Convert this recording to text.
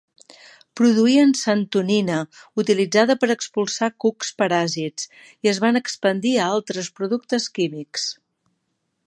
Produïen santonina, utilitzada per expulsar cucs paràsits, i es van expandir a altres productes químics.